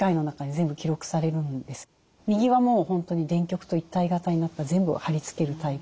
右はもう本当に電極と一体型になった全部を貼り付けるタイプ。